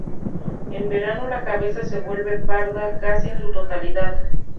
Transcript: En verano la cabeza se vuelve parda casi en su totalidad.